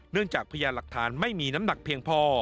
จากพยานหลักฐานไม่มีน้ำหนักเพียงพอ